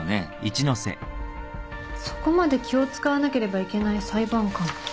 そこまで気を使わなければいけない裁判官。